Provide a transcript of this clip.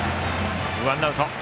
ワンアウト。